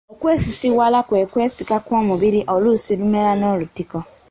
Okwesisiwala kwe kwesika kw’omubiri oluusi lumera n’olutiko.